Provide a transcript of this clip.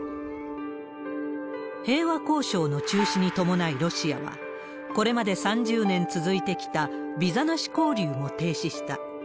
平和交渉の中止に伴い、ロシアは、これまで３０年続いてきたビザなし交流も停止した。